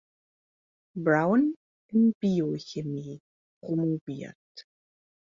Brown in Biochemie promoviert.